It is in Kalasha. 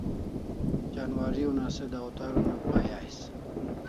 Janwari una se dawtar una Pai ais